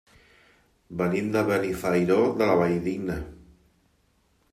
Venim de Benifairó de la Valldigna.